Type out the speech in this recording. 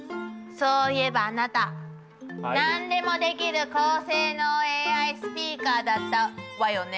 そういえばあなた何でもできる高性能ＡＩスピーカーだったわよね。